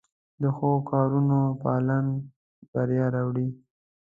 د ښو کارونو پالن بریا راوړي.